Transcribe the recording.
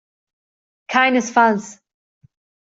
Keinesfalls!